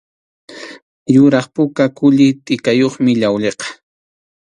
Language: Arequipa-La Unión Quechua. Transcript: Yuraq puka kulli tʼikayuqmi llawlliqa.